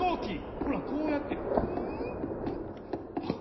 ほらこうやってプンパン！